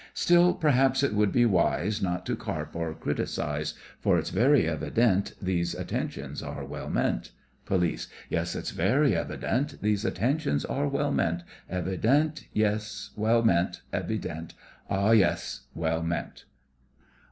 Still, perhaps it would be wise Not to carp or criticise, For it's very evident These attentions are well meant. POLICE: Yes, it's very evident These attentions are well meant, Evident, yes, well meant, evident Ah, yes, well meant!